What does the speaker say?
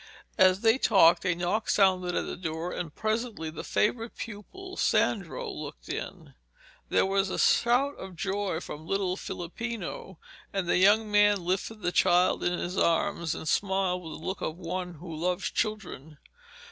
As they talked a knock sounded at the door, and presently the favourite pupil, Sandro, looked in. There was a shout of joy from little Filippino, and the young man lifted the child in his arms and smiled with the look of one who loves children.